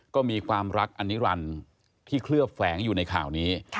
ก็มีความรักอันนิรันดิ์ที่เคลือบแฝงอยู่ในข่าวนี้